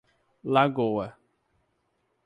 Lagoa